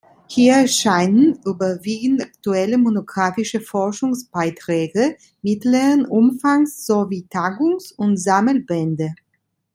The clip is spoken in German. Hier erscheinen überwiegend aktuelle monographische Forschungsbeiträge mittleren Umfangs sowie Tagungs- und Sammelbände.